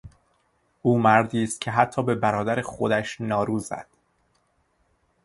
او مردی است که حتی به برادر خودش نارو زد.